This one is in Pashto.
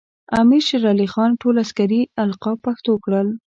امیر شیر علی خان ټول عسکري القاب پښتو کړل.